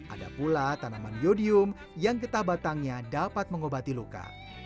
ada pula tanaman yodium yang getah batangnya dapat mengobati luka